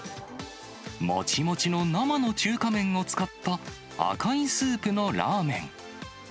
もちもちの生の中華麺を使った赤いスープのラーメン。